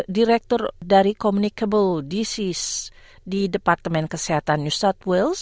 direktur dari communicable disease di departemen kesehatan new south wales